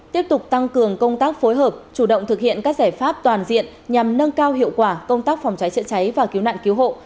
tiếp tục tăng cường công tác phối hợp chủ động thực hiện các giải pháp toàn diện nhằm nâng cao hiệu quả công tác phòng cháy chữa cháy và cứu nạn cứu hộ